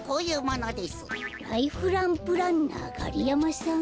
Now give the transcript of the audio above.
ライフランプランナーガリヤマさん？